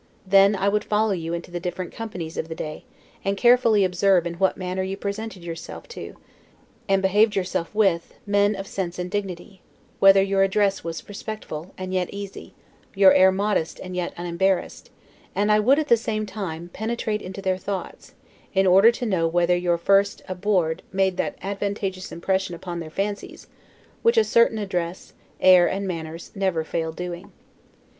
Then I would follow you into the different companies of the day, and carefully observe in what manner you presented yourself to, and behaved yourself with, men of sense and dignity; whether your address was respectful, and yet easy; your air modest, and yet unembarrassed; and I would, at the same time, penetrate into their thoughts, in order to know whether your first 'abord' made that advantageous impression upon their fancies, which a certain address, air, and manners, never fail doing.